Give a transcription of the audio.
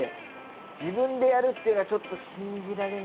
自分でやるっていうのはちょっと信じられないんですよね。